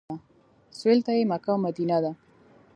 سویل ته یې مکه او مدینه ده.